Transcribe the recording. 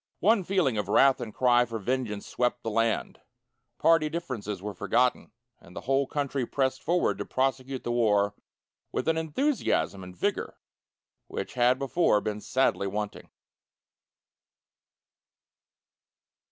One feeling of wrath and cry for vengeance swept the land; party differences were forgotten, and the whole country pressed forward to prosecute the war with an enthusiasm and vigor which had before been sadly wanting.